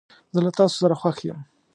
زه له تاسو سره خوښ یم.